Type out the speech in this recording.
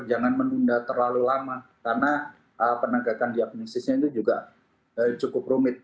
jangan menunda terlalu lama karena penegakan diagnosisnya itu juga cukup rumit